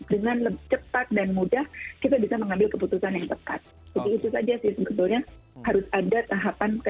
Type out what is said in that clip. dengan cepat dan mudah kita bisa mengambil keputusan yang tepat